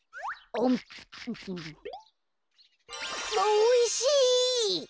おいしい！